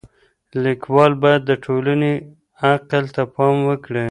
ليکوال بايد د ټولني عقل ته پام وکړي.